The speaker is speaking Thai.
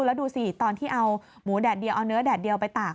แล้วดูสิตอนที่เอาหมูแดดเดียวเอาเนื้อแดดเดียวไปตาก